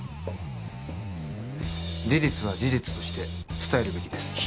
事実は事実として伝えるべきです